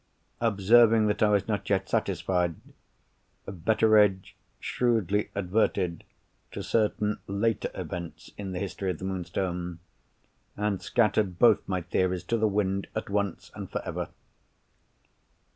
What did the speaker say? Observing that I was not yet satisfied, Betteredge shrewdly adverted to certain later events in the history of the Moonstone; and scattered both my theories to the wind at once and for ever.